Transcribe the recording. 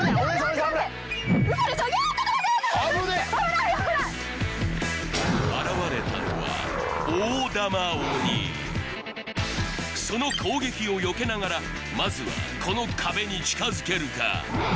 危ねえ現れたのはその攻撃をよけながらまずはこの壁に近づけるか？